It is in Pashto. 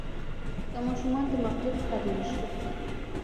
که ماشومان د مغرب که د مشرق دي.